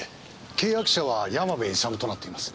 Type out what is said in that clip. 契約者は山部勇となっています。